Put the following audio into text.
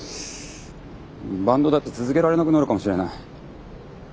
バンドだって続けられなくなるかもしれない。